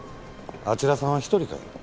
あちらさんは１人かい。